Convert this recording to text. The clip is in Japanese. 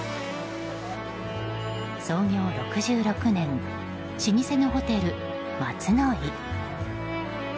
創業６６年老舗のホテル、松乃井。